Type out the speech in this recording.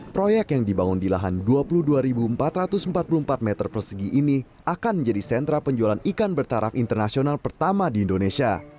proyek yang dibangun di lahan dua puluh dua empat ratus empat puluh empat meter persegi ini akan menjadi sentra penjualan ikan bertaraf internasional pertama di indonesia